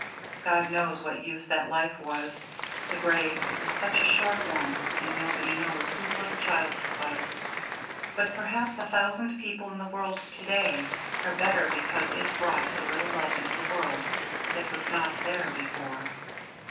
God knows what use that life was, the grave is such a short one, and nobody knows whose little child it was; but perhaps a thousand people in the world to day are better because it brought a little love into the world that was not there before.